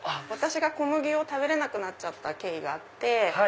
私が小麦を食べれなくなった経緯があって。